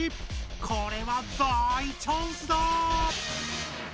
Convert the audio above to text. これは大チャンスだ！